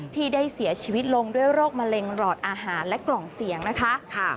ที่ได้เสียชีวิตลงด้วยโรคมะเร็งหลอดอาหารและกล่องเสียงนะคะ